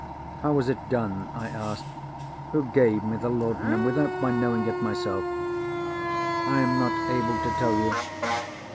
"How was it done?" I asked. "Who gave me the laudanum, without my knowing it myself?" "I am not able to tell you.